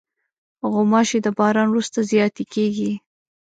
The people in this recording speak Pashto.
غوماشې د باران وروسته زیاتې کېږي.